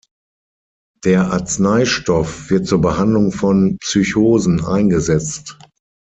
Der Arzneistoff wird zur Behandlung von Psychosen eingesetzt.